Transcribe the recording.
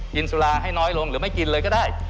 กินสุราให้น้อยลงหรือไม่กินเลยก็ได้